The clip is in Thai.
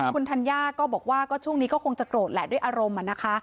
คุณธัญญาก็บอกว่าก็ช่วงนี้ก็คงจะโกรธแหละด้วยอารมณ์นะคะ